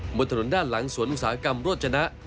บนถนนด้านหลังสวนอุตสาหกรรมโรจนะ